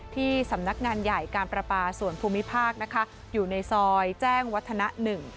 ที่สำนักงานใหญ่การประปาส่วนภูมิภาคนะคะอยู่ในซอยแจ้งวัฒนะหนึ่ง